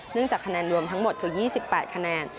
จากคะแนนรวมทั้งหมดคือ๒๘คะแนน